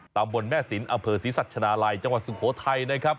ตามบนแม่ศิลป์อเผ่อศรีสัชนาลัยจังหวัดสุโขทัยนะครับ